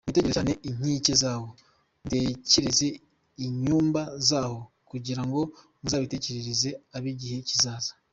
Mwitegereze cyane inkike zawo, Mutekereze inyumba zaho, Kugira ngo muzabitekerereze ab’igihe kizaza.